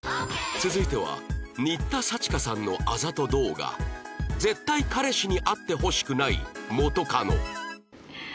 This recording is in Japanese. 続いては新田さちかさんのあざと動画絶対彼氏に会ってほしくない元カノ